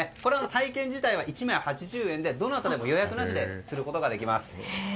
体験自体は１枚８０円でどなたでも予約なしですることができます。